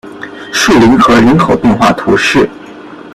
树林河人口变化图示